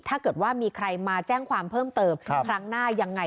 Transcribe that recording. ถ้าเกิดว่ามีใครมาแจ้งความเพิ่มเติมครั้งหน้ายังไง